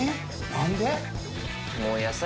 何で？